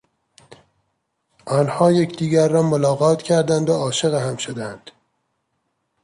آنها یکدیگر را ملاقات کردند و عاشق هم شدند.